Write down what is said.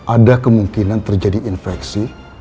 ada kemungkinan terjadi infeksi